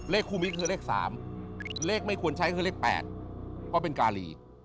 คุมิตคือเลข๓เลขไม่ควรใช้ก็คือเลข๘เพราะเป็นกาลี